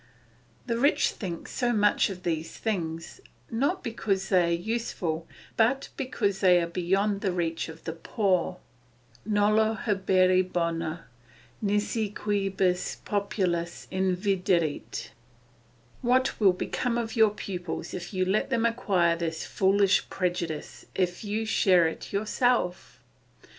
The rich think so much of these things, not because they are useful, but because they are beyond the reach of the poor. Nolo habere bona, nisi quibus populus inviderit. What will become of your pupils if you let them acquire this foolish prejudice, if you share it yourself?